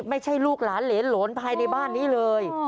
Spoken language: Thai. ไม่ใช่ลูกหลานเหลนหลนภายในบ้านนี้เลยอ๋อ